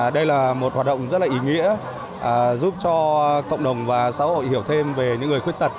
đây là một hoạt động rất là ý nghĩa giúp cho cộng đồng và xã hội hiểu thêm về những người khuyết tật